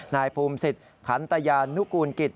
นายภูมิสิทธิ์ขันตยานุกูลกิจ